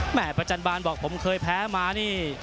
ประจันบาลบอกผมเคยแพ้มานี่